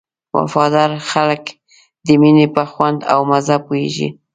وفاداره خلک د مینې په خوند او مزه پوهېږي.